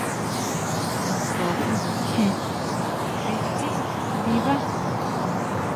Tjon kikjen, jee tsí ndibá.